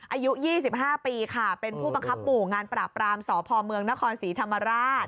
อายุ๒๕ปีค่ะเป็นผู้บังคับหมู่งานปราบปรามสพเมืองนครศรีธรรมราช